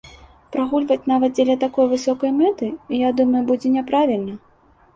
Прагульваць нават дзеля такой высокай мэты, я думаю, будзе няправільна.